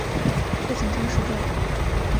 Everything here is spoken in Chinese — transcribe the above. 父亲张时中。